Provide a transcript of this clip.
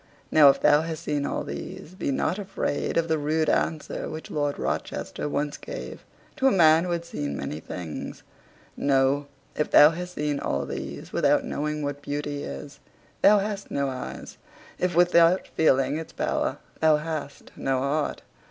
Now if thou hast seen all these, be not afraid of the rude answer which Lord Rochester once gave to a man who had seen many things. No. If thou hast seen all these without knowing what beauty is, thou hast no eyes; if without feeling its power, thou hast no heart.